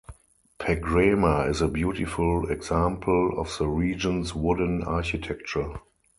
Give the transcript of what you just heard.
Pegrema is a beautiful example of the region's wooden architecture.